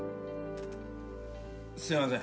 すいません。